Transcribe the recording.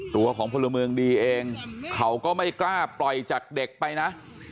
ตัวของพลเมืองดีเองเขาก็ไม่กล้าปล่อยจากเด็กไปนะ